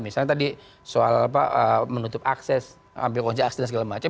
misalnya tadi soal apa menutup akses ambil konsen segala macam